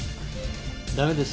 ダメです。